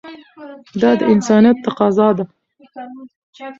دا د انسانیت تقاضا ده.